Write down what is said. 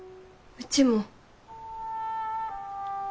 うちも。